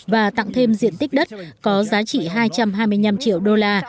và tặng thêm diện tích đất có giá trị hai trăm hai mươi năm triệu đô la